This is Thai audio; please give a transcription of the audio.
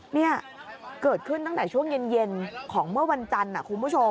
นี่เกิดขึ้นตั้งแต่ช่วงเย็นของเมื่อวันจันทร์คุณผู้ชม